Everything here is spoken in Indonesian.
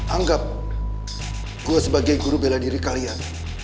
anggap gue sebagai guru bela diri kalian